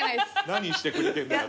「何してくれてんだ」